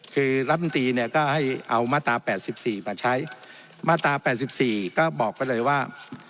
คือรัฐบันตรีเนี้ยก็ให้เอามาตรแปดสิบสี่มาใช้มาตรแปดสิบสี่ก็บอกไปเลยว่า